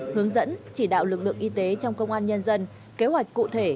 hướng dẫn chỉ đạo lực lượng y tế trong công an nhân dân kế hoạch cụ thể